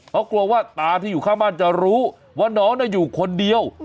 เขากลัวว่าตาที่อยู่ข้างบ้านจะรู้ว่าน้องอยู่คนเดียว